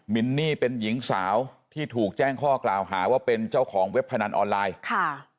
มินนี่เป็นหญิงสาวที่ถูกแจ้งข้อกล่าวหาว่าเป็นเจ้าของเว็บพนันออนไลน์ค่ะ